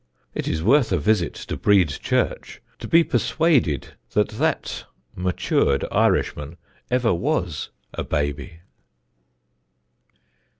It is worth a visit to Brede church to be persuaded that that matured Irishman ever was a baby.